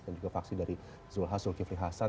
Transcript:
dan juga faksi dari zulhah zulkifli hasan